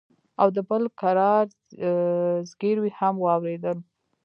او د بل کرار زگيروي هم واورېدل.